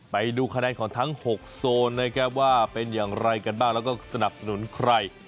ไปดูคะแนนของทั้ง๖โซนนะครับว่าเป็นอย่างไรกันบ้างแล้วก็สนับสนุนใคร